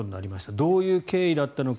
どういう経緯だったのか。